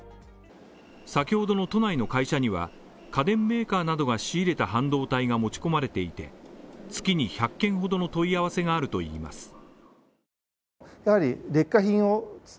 先ほどの都内の会社には、家電メーカーなどが仕入れた半導体が持ち込まれていて、月に１００件ほどの問い合わせがあるといいます。